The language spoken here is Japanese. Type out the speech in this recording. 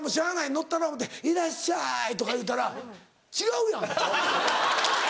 乗ったろう思うて「いらっしゃい」とか言うたら「違うやん」。